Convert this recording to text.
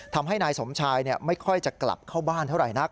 ทำให้นายสมชายไม่ค่อยจะกลับเข้าบ้านเท่าไหร่นัก